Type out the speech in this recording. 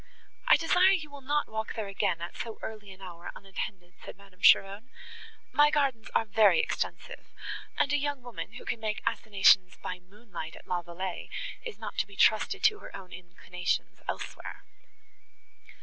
"I desire you will not walk there again at so early an hour unattended," said Madame Cheron; "my gardens are very extensive; and a young woman, who can make assignations by moonlight at La Vallée, is not to be trusted to her own inclinations elsewhere."